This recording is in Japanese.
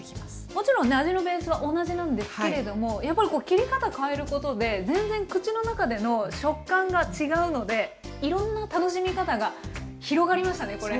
もちろんね味のベースは同じなんですけれどもやっぱりこう切り方変えることで全然口の中での食感が違うのでいろんな楽しみ方が広がりましたねこれ。